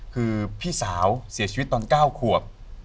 คือพี่สาวเสียชีวิตตอน๙ขวบ